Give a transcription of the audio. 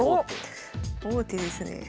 王手ですねえ。